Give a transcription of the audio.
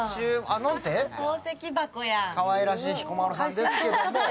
かわいらしい彦摩呂さんですけれども。